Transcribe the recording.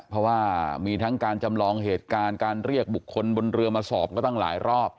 เพราะว่ามีทั้งการจำลองเหตุการณ์การเรียกบุคคลบนเรือมาสอบก็ตั้งหลายรอบ